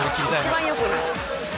一番よくない。